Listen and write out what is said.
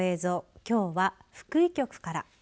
きょうは福井局から。